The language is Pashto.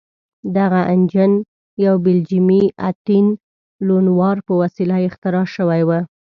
دغه انجن یو بلجیمي اتین لونوار په وسیله اختراع شوی و.